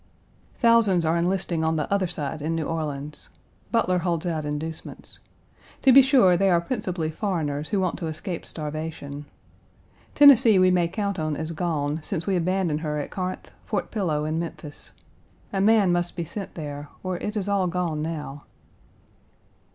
Page 188 Thousands are enlisting on the other side in New Orleans. Butler holds out inducements. To be sure, they are principally foreigners who want to escape starvation. Tennessee we may count on as gone, since we abandoned her at Corinth, Fort Pillow, and Memphis. A man must be sent there, or it is all gone now.